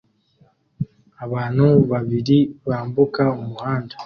Abantu babiri bambuka umuhanda